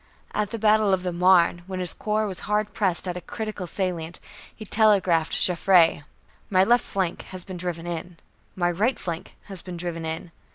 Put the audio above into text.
At the Battle of the Marne, when his corps was hard pressed at a critical salient, he telegraphed Joffre: "My left flank has been driven in. My right flank has been driven in.